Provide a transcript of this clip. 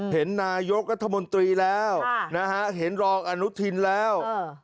เห็นนายกรัฐมนตรีแล้วนะฮะเห็นรองอนุทินแล้ว